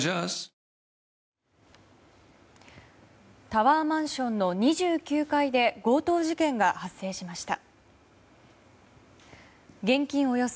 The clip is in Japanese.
タワーマンションの２９階で強盗事件が発生しました。